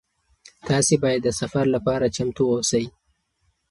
تاسي باید د سفر لپاره چمتو اوسئ.